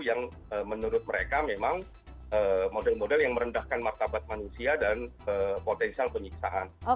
yang menurut mereka memang model model yang merendahkan martabat manusia dan potensial penyiksaan